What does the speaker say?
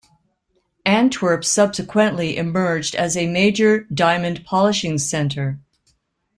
Antwerp subsequently emerged as a major diamond polishing center.